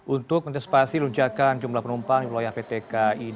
untuk menyespasi lunjakan jumlah penumpang di wilayah ptk i dua puluh delapan